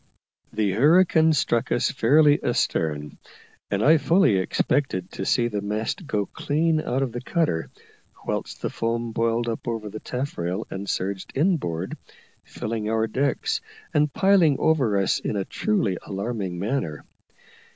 The hurricane struck us fairly astern, and I fully expected to see the mast go clean out of the cutter, whilst the foam boiled up over the taffrail and surged inboard, filling our decks, and piling over us in a truly alarming manner.